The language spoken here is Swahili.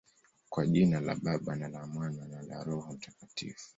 Kwa jina la Baba, na la Mwana, na la Roho Mtakatifu.